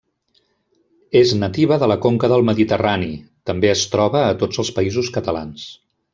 És nativa de la conca del Mediterrani, també es troba a tots els Països Catalans.